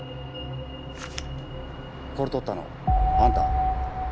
これ撮ったのあんた？